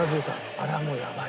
あれはもうやばい！